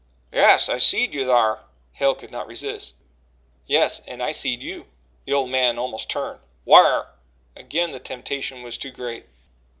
"Yes, I seed you thar." Hale could not resist: "Yes, and I seed you." The old man almost turned. "Whar?" Again the temptation was too great.